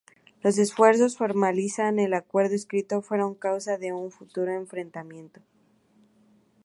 Los esfuerzos en formalizar el acuerdo escrito fueron causa de un futuro enfrentamiento.